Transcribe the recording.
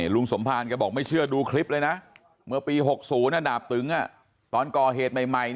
ลุงสมภารแกบอกไม่เชื่อดูคลิปเลยนะเมื่อปี๖๐ดาบตึงตอนก่อเหตุใหม่